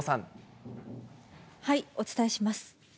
お伝えします。